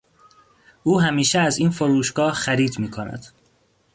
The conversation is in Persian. او همیشه از این فروشگاه خرید میکند.